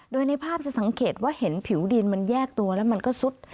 โดยในภาพจะสังเกตว่าเห็นผิวดินมันแยกตัวแล้วมันก็ซุด